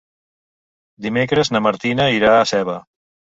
Dimecres na Martina irà a Seva.